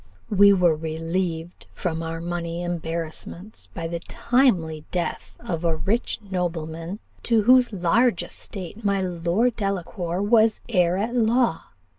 "We were relieved from our money embarrassments by the timely death of a rich nobleman, to whose large estate my Lord Delacour was heir at law.